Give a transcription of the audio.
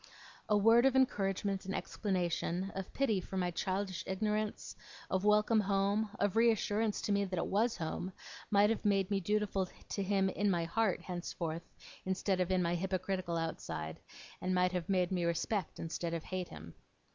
A word of encouragement and explanation, of pity for my childish ignorance, of welcome home, of reassurance to me that it was home, might have made me dutiful to him in my heart henceforth, instead of in my hypocritical outside, and might have made me respect instead of hate him.